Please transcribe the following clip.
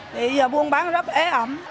bây giờ buôn bán rất ế ẩm